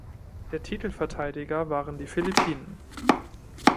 Der Titelverteidiger waren die Philippinen.